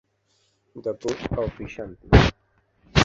The book of ভিশান্তি?